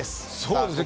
そうですね。